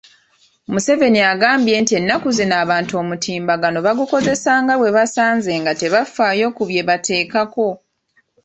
Museveni agambye nti ennaku zino abantu omutimbagano bagukozesa nga bwe basanze nga tebafaayo ku bye bateekako.